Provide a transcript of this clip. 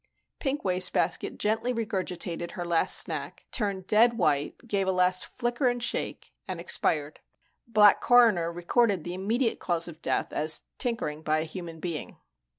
Pink Wastebasket gently regurgitated her last snack, turned dead white, gave a last flicker and shake, and expired. Black Coroner recorded the immediate cause of death as tinkering by a human being.